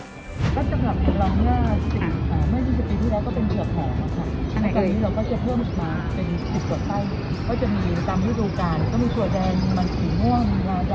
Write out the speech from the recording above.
ภารก์จำหลังของเราง่ายว่าอ่ะ